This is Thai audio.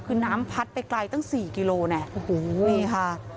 คือน้ำพัดไปไกลตั้งสี่กิโลเนี่ยโอ้โหนี่ค่ะ